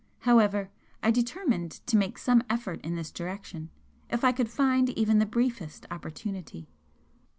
However, I determined to make some effort in this direction, if I could find even the briefest opportunity.